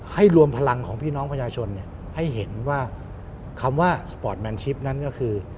รวมพลังของพี่น้องประชาชนให้เห็นว่าคำว่าสปอร์ตแมนชิปนั้นก็คือ